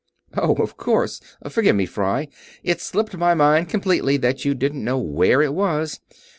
"Oh! Of course! Forgive me, Fry it slipped my mind completely that you didn't know where it was.